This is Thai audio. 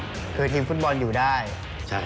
ก็คือคุณอันนบสิงต์โตทองนะครับ